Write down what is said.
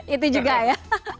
itu juga ya